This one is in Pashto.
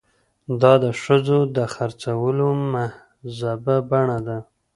دا د ښځو د خرڅولو مهذبه بڼه ده.